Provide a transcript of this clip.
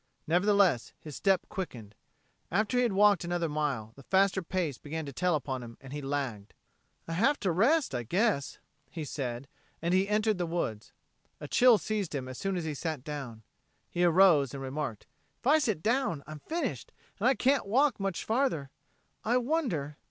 Nevertheless, his step quickened. After he had walked another mile, the faster pace began to tell upon him and he lagged. "Have to rest, I guess," he said, and he entered the woods. A chill seized him as soon as he sat down. He arose, and remarked: "If I sit down, I'm finished, and I can't walk much farther. I wonder...."